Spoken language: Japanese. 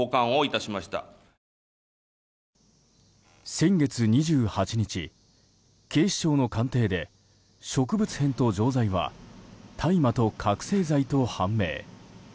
先月２８日、警視庁の鑑定で植物片と錠剤は大麻と覚醒剤と判明。